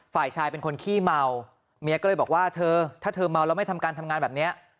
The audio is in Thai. ฝ่ายชายเป็นคนขี้เมาเมียก็เลยบอกว่าเธอถ้าเธอเมาแล้วไม่ทำการทำงานแบบนี้